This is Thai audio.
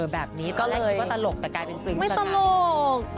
แบบนี้ก็เลยแกกลายเป็นสึงสนับ